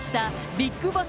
ビッグボス！